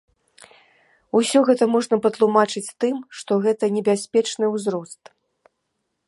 Усё гэта можна патлумачыць тым, што гэта небяспечны ўзрост.